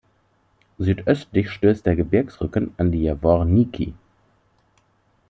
Südöstlich stößt der Gebirgsrücken an die Javorníky.